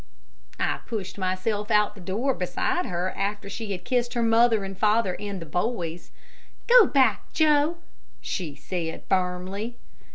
I pushed myself out the door beside her after she had kissed her mother and father and the boys. "Go back, Joe," she said, firmly.